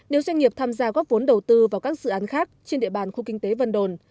nếu doanh nghiệp tham gia góp vốn đầu tư vào các dự án khác trên địa bàn khu kinh tế vân đồn